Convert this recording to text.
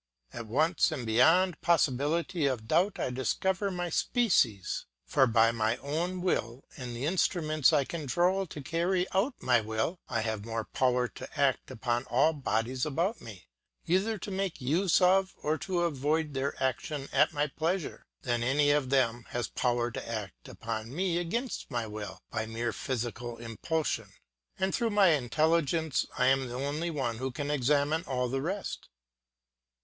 At once, and beyond possibility of doubt, I discover my species; for by my own will and the instruments I can control to carry out my will, I have more power to act upon all bodies about me, either to make use of or to avoid their action at my pleasure, than any of them has power to act upon me against my will by mere physical impulsion; and through my intelligence I am the only one who can examine all the rest.